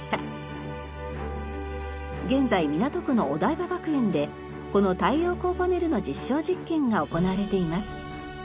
現在港区のお台場学園でこの太陽光パネルの実証実験が行われています。